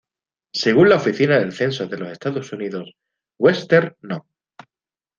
Según la Oficina del Censo de los Estados Unidos, Webster No.